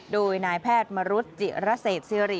โดยนายแพทย์มรุษจิระเศษสิริ